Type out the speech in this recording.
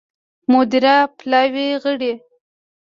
مدیره پلاوي غړي